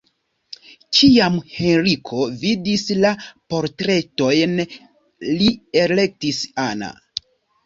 Kiam Henriko vidis la portretojn, li elektis Anna.